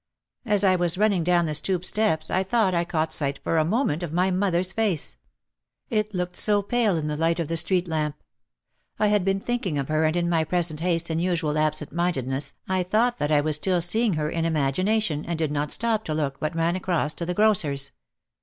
As I was running down the stoop steps I thought I caught sight for a moment of my mother's face. It looked so pale in the light of the 176 OUT OF THE SHADOW street lamp. I had been thinking of her and in my pres ent haste and usual absent mindedness, I thought that I was still seeing her in imagination and did not stop to look but ran across to the grocer's.